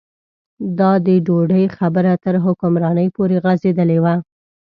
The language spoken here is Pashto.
دا د ډوډۍ خبره تر حکمرانۍ پورې غځېدلې وه.